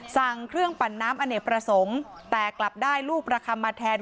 สั่งเครื่องปั่นน้ำอเนกประสงค์แต่กลับได้ลูกประคำมาแทน